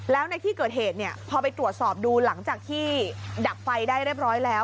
แล้วในที่เกิดเหตุเนี่ยพอไปตรวจสอบดูหลังจากที่ดับไฟได้เรียบร้อยแล้ว